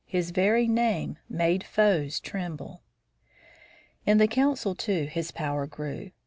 His very name made his foes tremble. In the council, too, his power grew.